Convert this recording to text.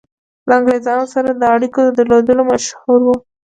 له انګرېزانو سره د اړېکو درلودلو مشهور وو.